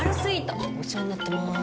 お世話になってます。